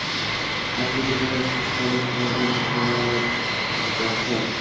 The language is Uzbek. Har kecha tush sari sudrar kajraftor